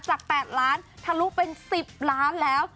จาก๘ล้านทะลุเป็น๑๐ล้านแล้ว